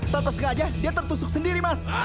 tanpa sengaja dia tertusuk sendiri mas